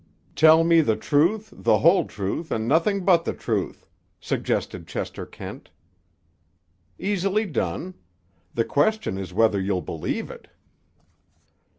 "Tell me the truth, the whole truth, and nothing but the truth," suggested Chester Kent. "Easily done. The question is whether you'll believe it."